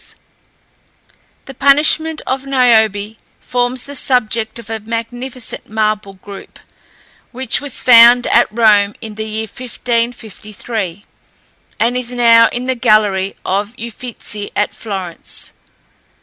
The punishment of Niobe forms the subject of a magnificent marble group, which was found at Rome in the year 1553, and is now in the gallery of Uffizi, at Florence.